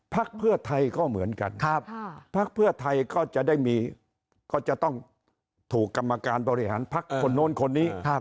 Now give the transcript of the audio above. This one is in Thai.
ภักดิ์เพื่อไทยก็เหมือนกันภักดิ์เพื่อไทยก็จะต้องถูกกรรมการบริหารภักดิ์คนโน้นคนนี้